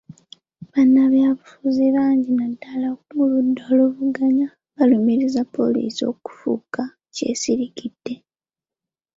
Bannabyabufuzi bangi naddala ku ludda oluvuganya balumirizza poliisi okufuuka kyesirikidde.